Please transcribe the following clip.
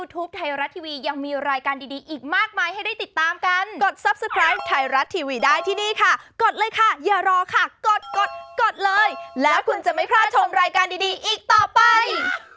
ถ้าสังเกตให้ดีดี